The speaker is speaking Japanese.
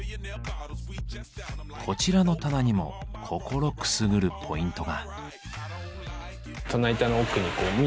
こちらの棚にも心くすぐるポイントが。